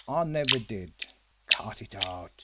I never did!" "Cut it out!